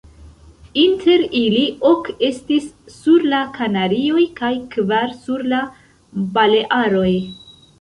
Inter ili ok estis sur la Kanarioj kaj kvar sur la Balearoj.